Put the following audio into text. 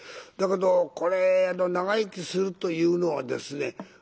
だけどこれ長生きするというのはですね